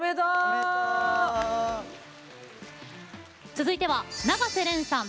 続いては永瀬廉さん